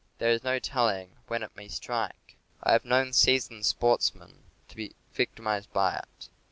There is no telling when it may strike. I have known seasoned sports men to be victimized by it.